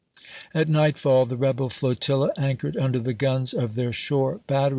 At nightfall the rebel flotilla anchored under the guns of theii' shore batteries on Vol.